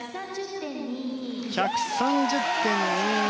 １３０．２２。